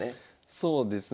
そうですね